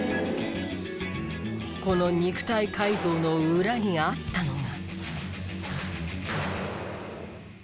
この肉体改造の裏にあったのが。